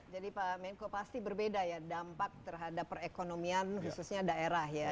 jadi pak menko pasti berbeda ya dampak terhadap perekonomian khususnya daerah ya